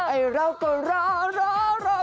ไอเราก็ร้อง